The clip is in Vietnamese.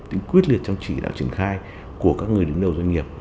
tính quyết liệt trong chỉ đạo triển khai của các người đứng đầu doanh nghiệp